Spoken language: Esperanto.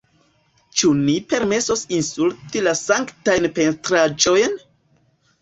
Ĉu ni permesos insulti la sanktajn pentraĵojn?